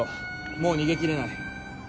もう逃げ切れない。